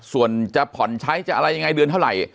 ส่วนจะผ่อนใช้จะอะไรยังไงเดือนเท่าไหร่